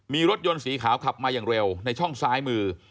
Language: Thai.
มีรถยนต์สีขาวขับมาอย่างเร็วในช่องซ้ายมือ